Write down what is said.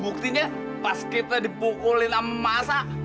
buktinya pas kita dipukulin sama masa